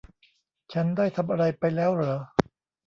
ฉันได้ทำอะไรไปแล้วหรอ